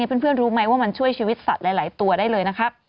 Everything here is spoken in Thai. รู้ไหมว่ามันช่วยชีวิตสัตว์หลายตัวได้เลยนะครับ